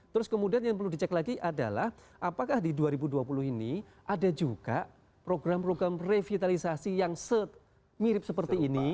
terus kemudian yang perlu dicek lagi adalah apakah di dua ribu dua puluh ini ada juga program program revitalisasi yang mirip seperti ini